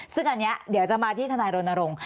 ซึ่งอันนี้เดี๋ยวจะมาที่ทนายรณรงค์